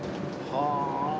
はあ。